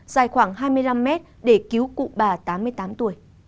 dài khoảng hai mươi năm mét để cứu cụ bà tám mươi tám tuổi